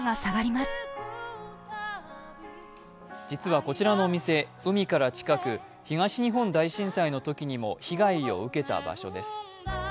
実はこちらのお店、海から近く、東日本大震災のときにも被害を受けた場所です。